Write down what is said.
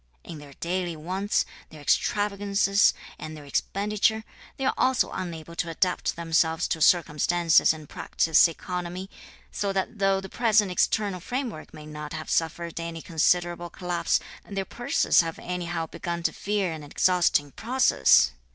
In their daily wants, their extravagances, and their expenditure, they are also unable to adapt themselves to circumstances and practise economy; (so that though) the present external framework may not have suffered any considerable collapse, their purses have anyhow begun to feel an exhausting process!